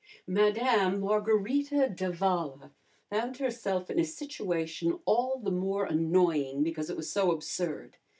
Madame Margarita d'Avala found herself in a situation all the more annoying because it was so absurd.